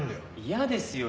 嫌ですよ